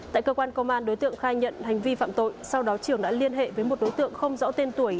tại cơ quan công an đối tượng khai nhận hành vi phạm tội sau đó trường đã liên hệ với một đối tượng không rõ tên tuổi